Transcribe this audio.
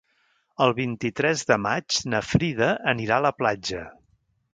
El vint-i-tres de maig na Frida anirà a la platja.